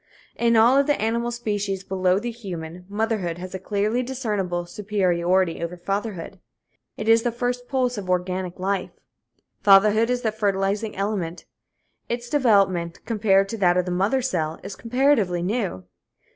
In all of the animal species below the human, motherhood has a clearly discernible superiority over fatherhood. It is the first pulse of organic life. Fatherhood is the fertilizing element. Its development, compared to that of the mother cell, is comparatively new.